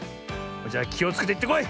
じゃあきをつけていってこい！